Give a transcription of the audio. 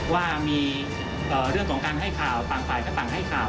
ว่ามีเรื่องของการให้ข่าวต่างฝ่ายก็ต่างให้ข่าว